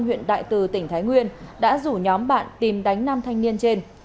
huyện đại từ tỉnh thái nguyên đã rủ nhóm bạn tìm đánh nam thanh niên trên